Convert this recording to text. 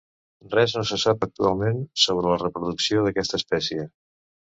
Res no se sap actualment sobre la reproducció d'aquesta espècie.